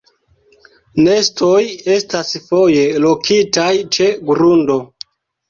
Nestoj estas foje lokitaj ĉe grundo.